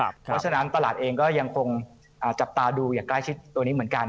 เพราะฉะนั้นตลาดเองก็ยังคงจับตาดูอย่างใกล้ชิดตัวนี้เหมือนกัน